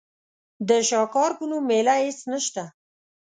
د شاکار په نوم مېله هېڅ نشته.